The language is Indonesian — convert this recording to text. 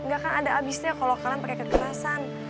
gak akan ada abisnya kalau kalian pakai kekerasan